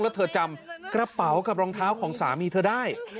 แล้วเธอจำกระเป๋ากับรองเท้าของสามีเธอได้